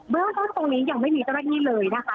เรื่องต้นตรงนี้ยังไม่มีเจ้าหน้าที่เลยนะคะ